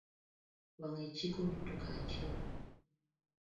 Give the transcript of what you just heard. Wang'e chike duto kaachiel.